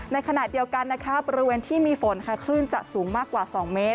ในขณะเดียวกันนะคะบริเวณที่มีฝนค่ะคลื่นจะสูงมากกว่า๒เมตร